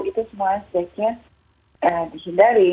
itu semuanya sebaiknya dihindari